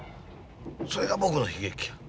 それが僕の悲劇や。